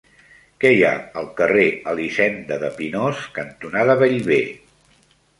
Què hi ha al carrer Elisenda de Pinós cantonada Bellver?